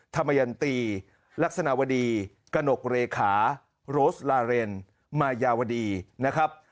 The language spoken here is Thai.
ธรรมยันตีลักษณะวดีกระหนกเลขาโรสลาเรนมายาวดีนะครับ